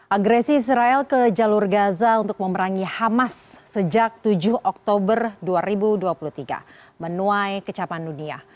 agresi israel ke jalur gaza untuk memerangi hamas sejak tujuh oktober dua ribu dua puluh tiga menuai kecapan dunia